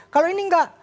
kalau ini enggak